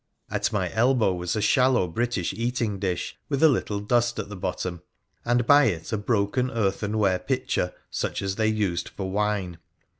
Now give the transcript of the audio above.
At my elbow was a shallow British eating dish, with a little dust at the bottom, and by it a broken earthenware pitcher such as they used for wine.